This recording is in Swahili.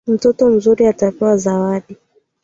Mtoto mzuri atapewa zawadi.